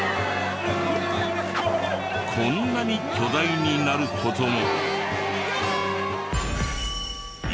こんなに巨大になる事も。